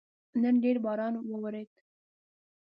نن ډېر باران وورېده